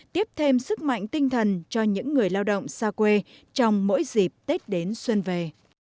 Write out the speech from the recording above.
tiếp thêm sức mạnh tinh thần cho những người lao động xa quê trong mỗi dịp tết đến xuân về